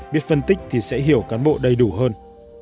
biết phân tích thì sẽ hiểu cán bộ đầy đủ hơn